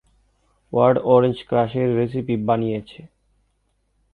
Word orange ক্রাশের recipe বানিয়েছে।